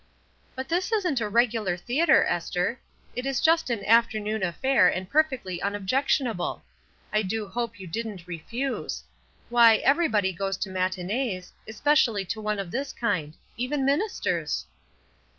"But this isn't a regular theatre, Esther. It is just an afternoon affair, and perfectly unobjectionable. I do hope you didn't refuse. Why, everybody goes to matinees, especially to one of this kind. Even ministers."